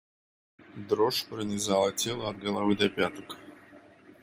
Дрожь пронизала тело от головы до пяток.